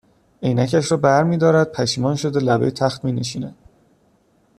عینکش را برمیدارد پشیمان شده لبهی تخت مینشیند